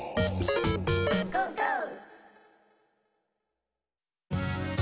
「ゴーゴー」